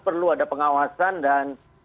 perlu ada pengawasan dan